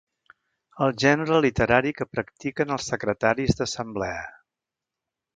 El gènere literari que practiquen els secretaris d'assemblea.